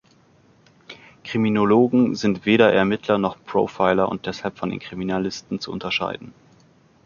Kriminologen sind weder Ermittler noch Profiler und deshalb von den Kriminalisten zu unterscheiden.